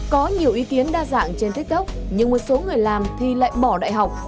có nhiều ý kiến đa dạng trên tiktok nhưng một số người làm thì lại bỏ đại học